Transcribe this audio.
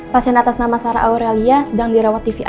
pasien atas nama sarah aurelia sedang dirawat di vip satu pak